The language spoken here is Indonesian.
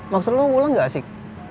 maksud lo wulan gak asik